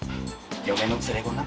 嫁の連れ子なの。